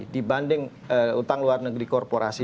dibanding utang luar negeri korporasi